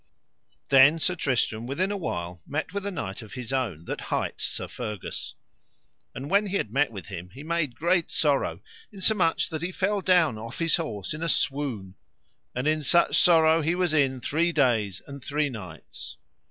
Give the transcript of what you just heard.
Then Sir Tristram within a while met with a knight of his own, that hight Sir Fergus. And when he had met with him he made great sorrow, insomuch that he fell down off his horse in a swoon, and in such sorrow he was in three days and three nights.